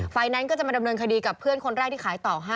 แนนซ์ก็จะมาดำเนินคดีกับเพื่อนคนแรกที่ขายต่อให้